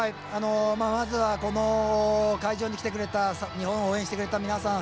まずはこの会場に来てくれた日本を応援してくれた皆さん。